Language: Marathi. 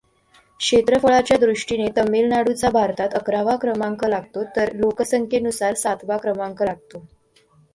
क्षेत्रफळाच्या दृष्टीने तमिळनाडूचा भारतात अकरावा क्रमांक लागतो तर लोकसंख्येनुसार सातवा क्रमांक लागतो.